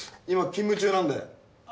今勤務中なんで。